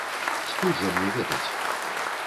Скуль жа мне ведаць.